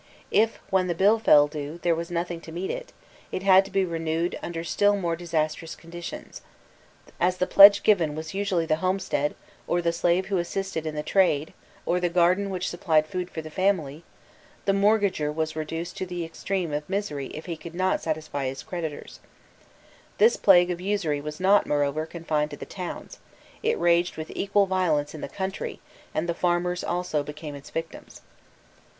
If when the bill fell due there was nothing to meet it, it had to be renewed under still more disastrous conditions; as the pledge given was usually the homestead, or the slave who assisted in the trade, or the garden which supplied food for the family, the mortgagor was reduced to the extreme of misery if he could not satisfy his creditors, This plague of usury was not, moreover, confined to the towns; it raged with equal violence in the country, and the farmers also became its victims.